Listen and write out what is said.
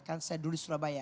kan saya dulu di surabaya